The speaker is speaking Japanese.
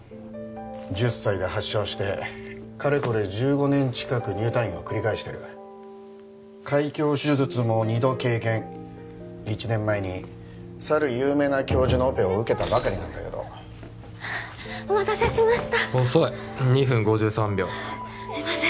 １０歳で発症してかれこれ１５年近く入退院を繰り返してる開胸手術も２度経験１年前にさる有名な教授のオペを受けたばかりなんだけどお待たせしました遅い２分５３秒すいません